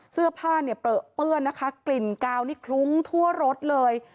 เสื้อผ้าเนี่ยเปลือเปื้อนนะคะกลิ่นกาวนี่คลุ้งทั่วรถเลย